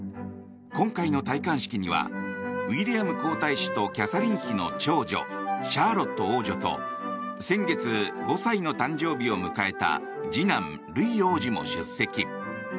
今回の戴冠式にはウィリアム皇太子とキャサリン妃の長女シャーロット王女と先月５歳の誕生日を迎えた次男ルイ王子も出席。